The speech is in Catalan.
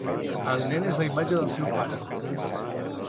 El nen és la imatge del seu pare.